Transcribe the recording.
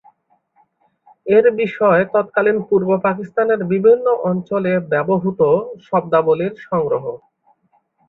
এর বিষয় তৎকালীন পূর্ব পাকিস্তানের বিভিন্ন অঞ্চলে ব্যবহূত শব্দাবলির সংগ্রহ।